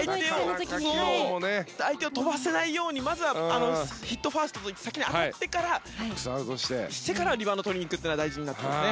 相手を跳ばせないようにまずはヒットファーストといって先に当たってからリバウンドを取りに行くことが大事になってきますね。